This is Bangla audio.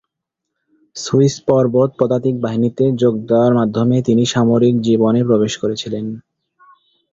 সুইস পর্বত পদাতিক বাহিনীতে যোগ দেয়ার মাধ্যমে তিনি সামরিক জীবনে প্রবেশ করেছিলেন।